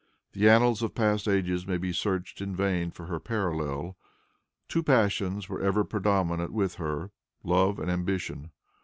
The annals of past ages may be searched in vain for her parallel. Two passions were ever predominant with her, love and ambition.